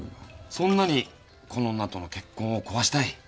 そんなにこの女との結婚を壊したい。